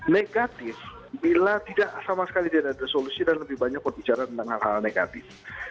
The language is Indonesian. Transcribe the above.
negatif bila tidak sama sekali tidak ada solusi dan lebih banyak berbicara tentang hal hal negatif